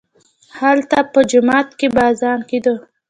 هلته په جومات کښې به اذان کېده.